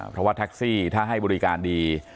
เพราะว่าแท็กซี่ถ้าให้บริการดี